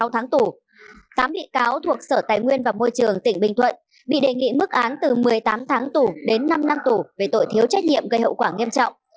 tám bị cáo thuộc sở tài nguyên và môi trường tỉnh bình thuận bị đề nghị mức án từ một mươi tám tháng tù đến năm năm tù về tội thiếu trách nhiệm gây hậu quả nghiêm trọng